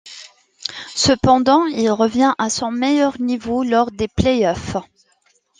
Cependant, il revient à son meilleur niveau lors des play-offs.